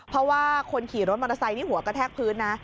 เพราะว่าคนขี่รถมอเตอร์ไซค์นี่หัวกระแทกพื้นนะ